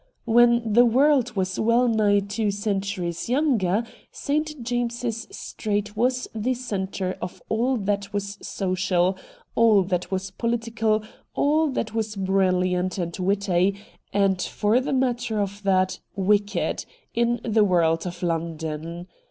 When the world was well nigh two centuries younger St. James's Street was the centre of all that was social, all that was political, all that was brilliant and witty, and, for the matter of that, wicked, in the world of London.